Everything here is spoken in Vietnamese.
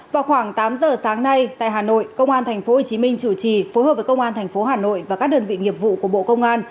vào khoảng tám giờ sáng nay tại hà nội công an tp hcm chủ trì phối hợp với công an tp hà nội và các đơn vị nghiệp vụ của bộ công an